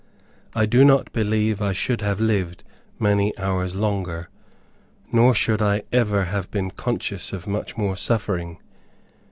I do not believe I should have lived many hours longer, nor should I ever have been conscious of much more suffering.